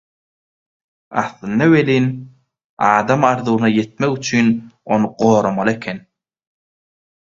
Aslynda welin, adam arzuwyna ýetmek üçin ony goramaly eken.